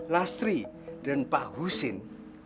lastri dan pak husin